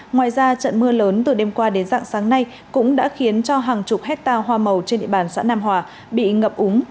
ngoài ra trận mưa lớn từ đêm qua đến dạng sáng nay cũng đã khiến cho hàng chục hectare hoa màu trên địa bàn xã nam hòa bị ngập úng